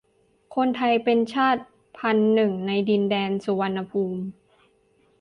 คนไทย เป็นชาติพันธุ์หนึ่งในดินแดนสุวรรณภูมิ